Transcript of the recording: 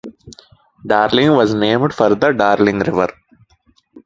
Darling was named for the Darling River.